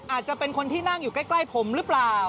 อาจจะเป็นคนที่นั่งอยู่ใกล้ผมหรือเปล่า